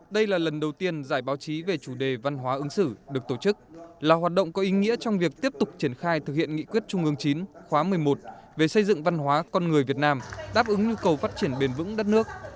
đây là lần đầu tiên giải báo chí về chủ đề văn hóa ứng xử được tổ chức là hoạt động có ý nghĩa trong việc tiếp tục triển khai thực hiện nghị quyết trung ương chín khóa một mươi một về xây dựng văn hóa con người việt nam đáp ứng nhu cầu phát triển bền vững đất nước